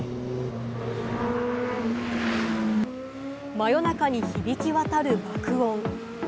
真夜中に響き渡る爆音。